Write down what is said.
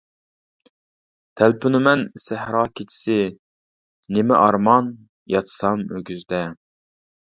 تەلپۈنىمەن، سەھرا كېچىسى، نېمە ئارمان؟ ياتسام ئۆگزىدە.